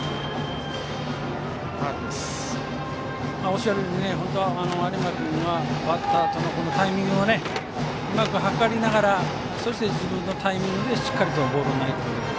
おっしゃるように有馬君はバッターとのタイミングをうまくとりながらそして自分のタイミングでしっかりボールを投げてくる。